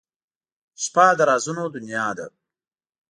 • شپه د رازونو دنیا ده.